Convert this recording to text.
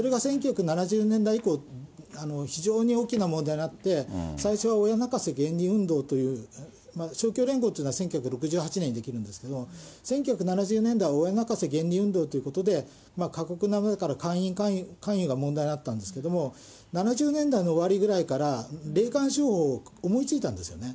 １９７０年代以降、非常に大きな問題になって、最初は親泣かせ原理運動っていうしょうきょう連合というのは１９６８年に出来るんですけれども、１９７０年、親泣かせ原理運動っていうところで、過酷なものから会員勧誘が問題になったんですけれども、７０年代の終わりぐらいから、霊感商法を思いついたんですよね。